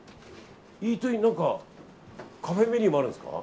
イートインカフェメニューもあるんですか。